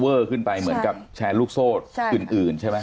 ขึ้นไปเหมือนกับแชร์ลูกโซ่อื่นใช่ไหม